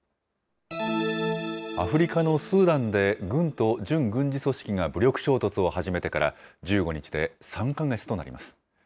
アフリカのスーダンで軍と準軍事組織が武力衝突を始めてから１５日で３か月となります。